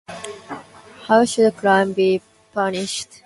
How should crime be punished?